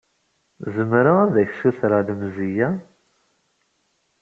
Zemreɣ ad ak-ssutreɣ lemzeyya?